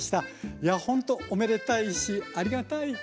いやほんとおめでたいしありがたい。